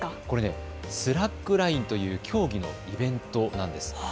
これスラックラインという競技のイベントなんです。